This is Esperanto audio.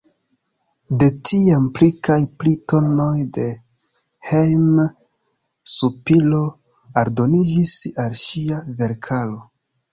De tiam pli kaj pli tonoj de hejm-sopiro aldoniĝis al ŝia verkaro.